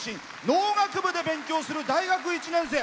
農学部で勉強する大学１年生。